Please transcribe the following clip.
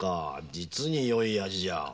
実によい味じゃ。